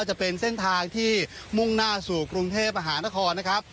จะเป็นเส้นทางที่มุ่งหน้าสู่กรุงเทพมหานครนะครับ